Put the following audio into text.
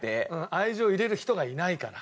愛情入れる人がいないから。